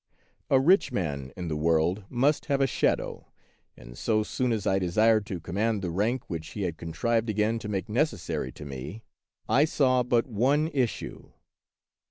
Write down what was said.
A rich man in the world must have a shadow, and so soon as I desired to command the rank which he had contrived again to make necessary to me, I saw but one issue.